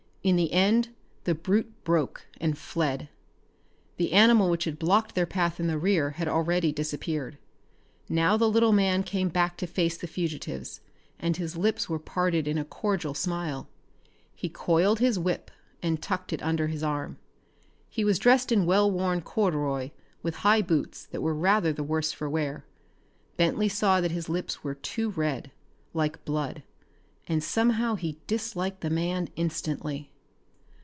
In the end the brute broke and fled. The animal which had blocked their path in the rear had already disappeared. Now the little man came back to face the fugitives, and his lips were parted in a cordial smile. He coiled his whip and tucked it under his arm. He was dressed in well worn corduroy with high boots that were rather the worse for wear. Bentley saw that his lips were too red like blood and somehow he disliked the man instantly.